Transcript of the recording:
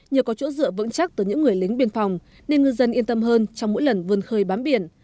nhờ có chỗ dựa vững chắc từ những người lính biên phòng nên ngư dân yên tâm hơn trong mỗi lần vươn khơi bám biển